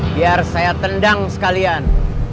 biar saya tendang sekalian